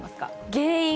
原因？